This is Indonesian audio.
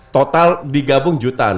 total digabung jutaan